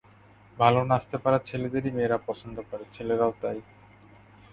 ভালো নাচতে পারা ছেলেদেরই মেয়েরা পছন্দ করে, ছেলেরাও তাই।